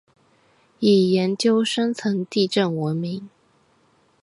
以研究深层地震闻名。